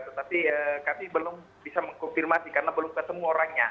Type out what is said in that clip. tetapi kami belum bisa mengkonfirmasi karena belum ketemu orangnya